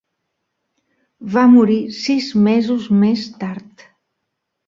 Va morir sis mesos més tard.